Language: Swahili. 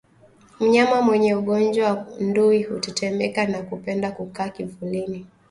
Mnyama mwenye ugonjwa wa ndui hutetemeka na kupenda kukaa kivulini